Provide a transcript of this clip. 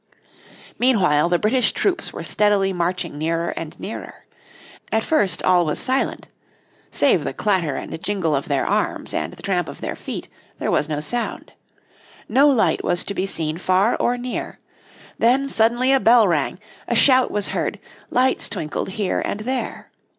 Meanwhile the British troops were steadily marching nearer and nearer. At first all was silent: save the clatter and jingle of their arms and the tramp of their feet, there was no sound. No light was to be seen far or near. Then suddenly a bell rang, a shout was heard, lights twinkled here and there.